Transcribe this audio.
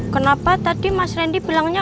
kenapa tadi mas randy bilangnya